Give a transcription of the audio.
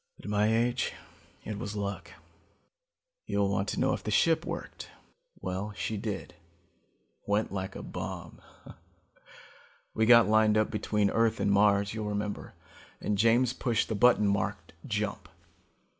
At my age it was luck. "You'll want to know if the ship worked. Well, she did. Went like a bomb. We got lined up between Earth and Mars, you'll remember, and James pushed the button marked 'Jump'.